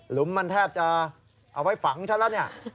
มันแทบจะเอาไว้ฝังฉันแล้วเนี่ย